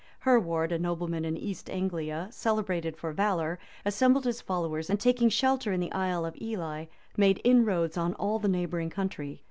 Hereward, a nobleman in East Anglia, celebrated for valor, assembled his followers, and taking shelter in the Isle of Ely, made inroads on all the neighboring country.